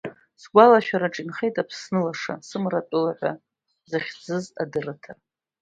Сгәалашәараҿы инхеит Аԥсны лаша сымратәыла ҳәа захьӡыз адырраҭара.